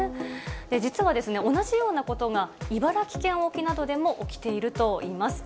実はですね、同じようなことが茨城県沖などでも起きているといいます。